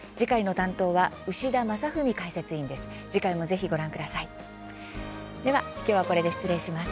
担当は牛田正史解説委員です。